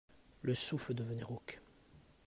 Le souffle devenait rauque.